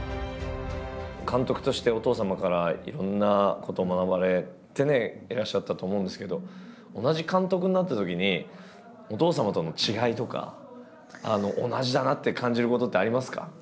監督としてお父様からいろんなことを学ばれていらっしゃったと思うんですけど同じ監督になったときにお父様との違いとか同じだなって感じることってありますか？